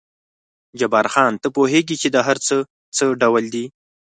جبار خان، ته پوهېږې چې دا هر څه څه ډول دي؟